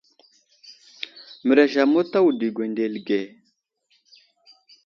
Mərez amət a wudo i gwendele age.